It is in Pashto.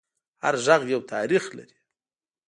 هر غږ یو تاریخ لري